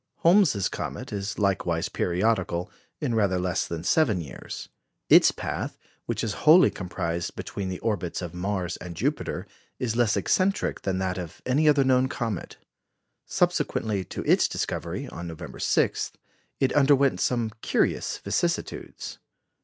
Holmes's comet is likewise periodical, in rather less than seven years. Its path, which is wholly comprised between the orbits of Mars and Jupiter, is less eccentric than that of any other known comet. Subsequently to its discovery, on November 6, it underwent some curious vicissitudes.